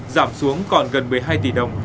giảm xuống còn gần một mươi hai tỷ đồng